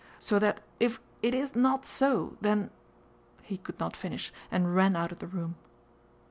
So that if it is not so, then..." He could not finish, and ran out of the room.